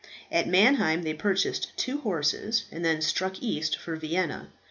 At Mannheim they purchased two horses, and then struck east for Vienna.